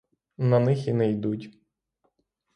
На них і не йдуть.